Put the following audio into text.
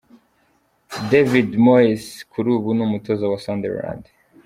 David Moyes kuri ubu ni umutoza wa Sunderland.